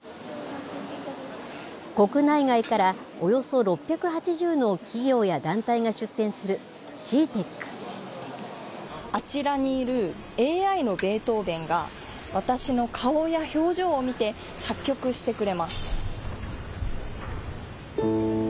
国内外からおよそ６８０の企業やあちらにいるＡＩのベートーベンが、私の顔や表情を見て作曲してくれます。